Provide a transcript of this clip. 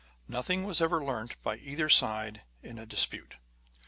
Nothing was ever learnt by either side in a dis pute.